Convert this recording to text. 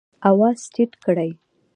آواز ټیټ کړئ